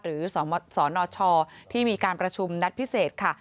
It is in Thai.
หรือสนชที่มีการประชุมนัดพิเศษค่ะ